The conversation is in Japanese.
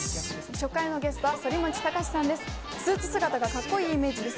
初回のゲストは反町隆史さんです。